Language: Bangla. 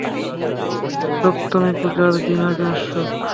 সপ্তমী পূজার দিন আগে আসুক।